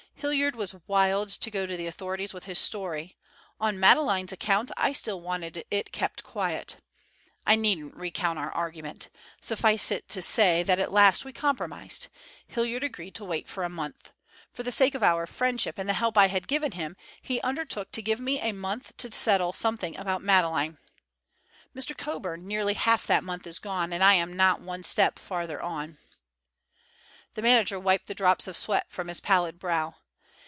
Hilliard was wild to go to the authorities with his story; on Madeleine's account I still wanted it kept quiet. I needn't recount our argument. Suffice it to say that at last we compromised. Hilliard agreed to wait for a month. For the sake of our friendship and the help I had given him, he undertook to give me a month to settle something about Madeleine. Mr. Coburn, nearly half that month is gone and I am not one step farther on." The manager wiped the drops of sweat from his pallid brow.